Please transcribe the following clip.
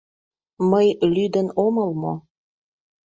Мый лӱдын омыл мо?